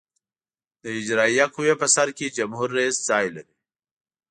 د اجرائیه قوې په سر کې جمهور رئیس ځای لري.